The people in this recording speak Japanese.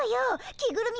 着ぐるみ